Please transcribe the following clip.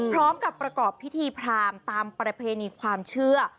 พร้อมกับประกอบพิธีพรามตามประเพณีความเชื่อ